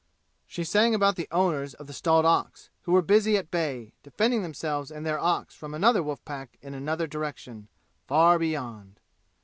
She sang about the owners of the stalled ox, who were busy at bay, defending themselves and their ox from another wolf pack in another direction "far beyond."